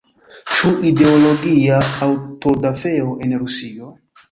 Ĉu ideologia aŭtodafeo en Rusio?